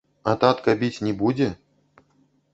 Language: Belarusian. А татка біць не будзе?